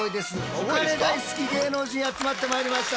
お金大好き芸能人集まってまいりました。